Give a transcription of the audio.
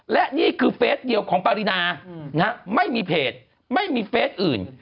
และนี่คือเฟสเดียวของปรินาไม่มีเพจไม่มีเฟสอื่น